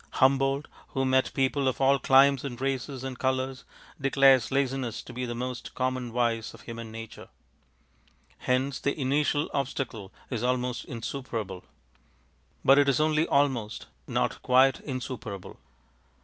Humboldt, who met people of all climes and races and colours, declares laziness to be the most common vice of human nature. Hence the initial obstacle is almost insuperable. But it is only almost, not quite insuperable.